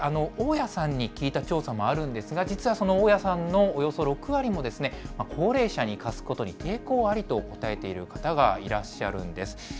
大家さんに聞いた調査もあるんですが、実はその大家さんのおよそ６割も高齢者に貸すことに、抵抗ありと答えている方がいらっしゃるんです。